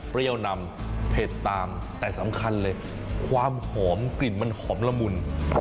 นำเผ็ดตามแต่สำคัญเลยความหอมกลิ่นมันหอมละมุน